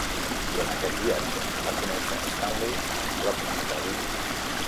Durant aquest viatge va conèixer Stanley prop de Vivi.